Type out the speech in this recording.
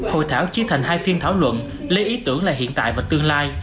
hội thảo chia thành hai phiên thảo luận lấy ý tưởng là hiện tại và tương lai